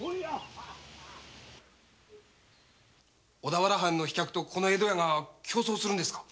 小田原藩の飛脚と江戸屋が競争するんですか？